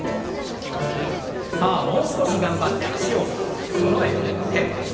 さあもう少し頑張って脚を振ってそろえて。